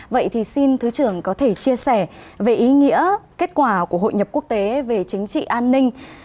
vậy thì xin thứ trưởng có thể chia sẻ về ý nghĩa kết quả của hội nhập quốc tế về chính trị an ninh